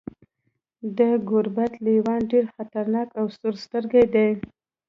د ګوربت لیوان ډیر خطرناک او سورسترګي دي.